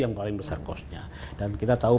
yang paling besar costnya dan kita tahu